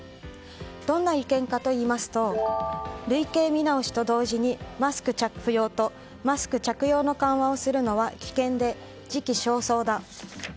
どんな意見かといいますと類型見直しと同時にマスク着用とマスク着用の緩和を見直すのは危険で時期尚早だ。